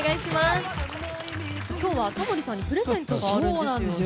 今日はタモリさんにプレゼントがあるんですよね？